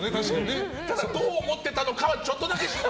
ただ、どう思っていたのかはちょっとだけ心配。